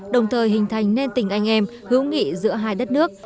đồng thời hình thành nên tình anh em hữu nghị giữa hai đất nước